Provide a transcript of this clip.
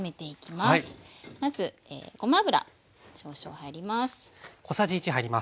まずごま油少々入ります。